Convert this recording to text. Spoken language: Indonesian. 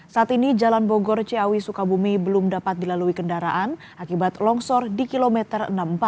saat ini jalan bogor ciawi sukabumi belum dapat dilalui kendaraan akibat longsor di kilometer enam puluh empat